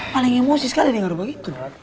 paling emosi sekali dengar begitu